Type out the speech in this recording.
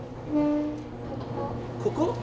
ここ。